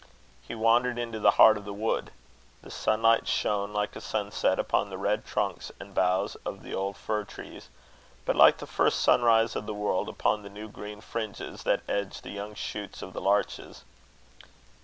He wandered into the heart of the wood. The sunlight shone like a sunset upon the red trunks and boughs of the old fir trees, but like the first sunrise of the world upon the new green fringes that edged the young shoots of the larches.